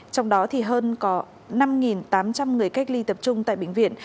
trong đó thì hơn có năm tám trăm linh người cách ly tập trung tại bệnh viện